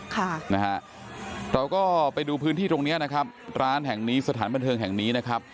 ค่ะน่ะเราก็ไปดูพื้นที่ตรงนี้ร้านแห่งนี้สถานบันเทิงแห่งนี้